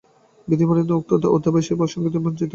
বিধিবিড়ম্বনায় উক্ত দুই অধ্যবসায়ী পক্ষী সংগীতবিদ্যায় বঞ্চিত।